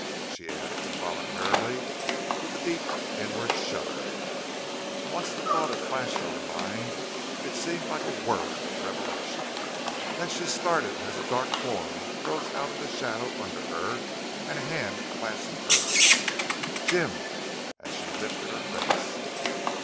she added, involuntarily, with a deep, inward shudder. Once the thought had flashed through her mind, it seemed like a word of revelation. Then she started as a dark form rose out of the shadow under her and a hand clasped hers. Jim! and she lifted her face.